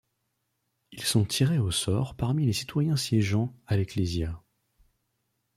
Ils sont tirés au sort parmi les citoyens siégeant à l'Ecclésia.